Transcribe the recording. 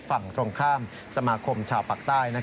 ฝั่งตรงข้ามสมาคมชาวปากใต้